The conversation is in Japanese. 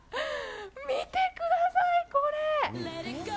見てください、これ。